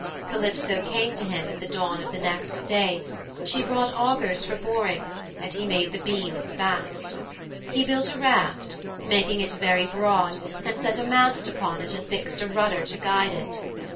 Calypso came to him at the dawn of the next day; she brought augers for boring and he made the beams fast. He built a raft, making it very broad, and set a mast upon it and fixed a rudder to guide it.